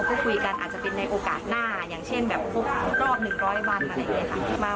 ก็คุยกันอาจจะเป็นในโอกาสหน้าอย่างเช่นแบบครบรอบ๑๐๐วันอะไรอย่างนี้ค่ะ